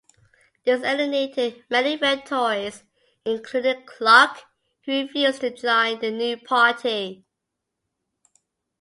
This alienated many Red Tories, including Clark, who refused to join the new party.